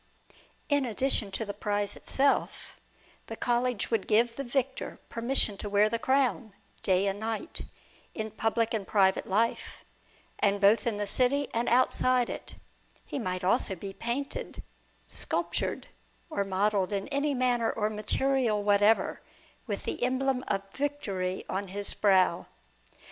In addition to the prize itself, the College would give the victor permission to wear the crown, day and night, in public and private life, and both in the city and outside it; he might also be painted, sculptured, or modelled in any manner or material whatever, with the emblem of victory on his brow.